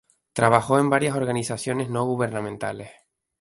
Trabajó en varias organizaciones no gubernamentales.